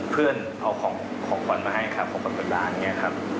เพื่อนเอาของขวัญมาให้ครับของขวัญกับร้านอย่างนี้ครับ